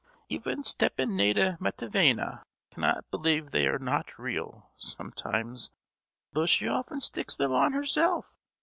Even Stepanida Matveyevna cannot believe they are not real, sometimes, although she often sticks them on herself!